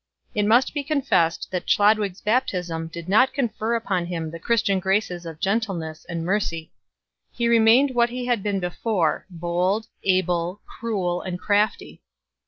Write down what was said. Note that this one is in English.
It must be confessed that Chlodwig s baptism did not confer upon him the Christian graces of gentleness and mercy. He remained what he had been before, bold, able, cruel and crafty.